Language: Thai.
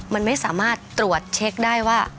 มันไม่สามารถตรวจเช็คได้ว่า